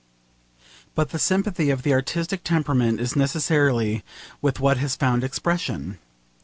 But the sympathy of the artistic temperament is necessarily with what has found expression.